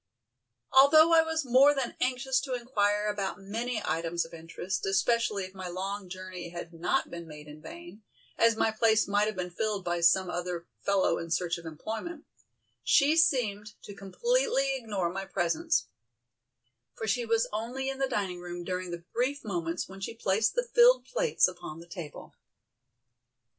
Although I was more than anxious to inquire about many items of interest, especially if my long journey had not been made in vain, as my place might have been filled by some other fellow in search of employment, she seemed to completely ignore my presence, for she was only in the dining room during the brief moments when she placed the filled plates upon the table.